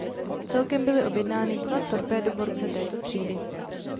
Celkem byly objednány dva torpédoborce této třídy.